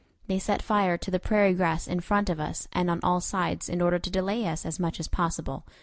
They set fire to the prairie grass in front of us and on all sides in order to delay us as much as possible.